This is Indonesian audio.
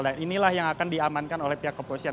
dan inilah yang akan diamankan oleh pihak kepolisian